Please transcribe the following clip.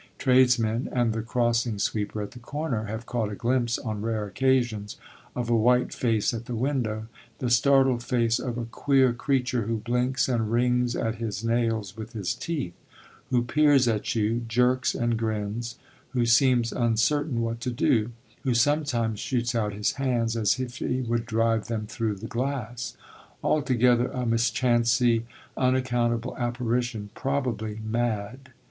Tradesmen, and the crossing sweeper at the corner, have caught a glimpse on rare occasions of a white face at the window, the startled face of a queer creature, who blinks and wrings at his nails with his teeth; who peers at you, jerks and grins; who seems uncertain what to do; who sometimes shoots out his hands as if he would drive them through the glass: altogether a mischancy, unaccountable apparition, probably mad.